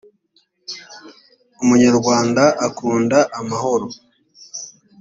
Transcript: umunyarwanda akunda amahoro